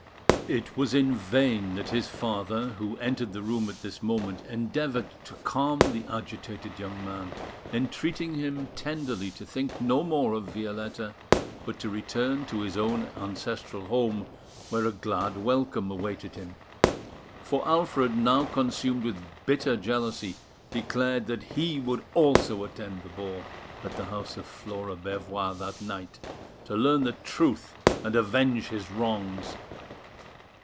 It was in vain that his father, who entered the room at this moment, endeavoured to calm the agitated young man, entreating him tenderly to think no more of Violetta, but to return to his own ancestral home, where a glad welcome awaited him; for Alfred, now consumed with bitter jealousy, declared that he would also attend the ball at the house of Flora Bervoix that night, to learn the truth, and avenge his wrongs.